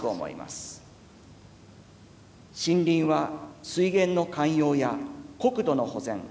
森林は水源の涵養や国土の保全